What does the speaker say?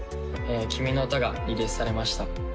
「きみのうた」がリリースされました